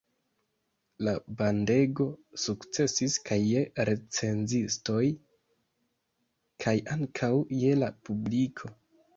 La bandego sukcesis kaj je recenzistoj kaj ankaŭ je la publiko.